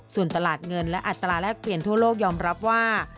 ส่วนตลาดเงินและอัตราแรกเปลี่ยนทั่วโลกยอมรับว่า